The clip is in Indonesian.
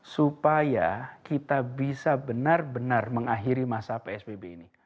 supaya kita bisa benar benar mengakhiri masa psbb ini